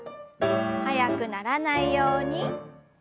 速くならないようにチョキ。